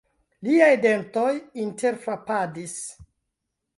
Liaj dentoj interfrapadis.